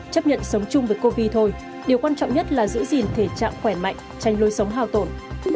chấp nhận sống chung với covid thôi điều quan trọng nhất là giữ gìn thể trạng khỏe mạnh tranh lôi sống hào tổn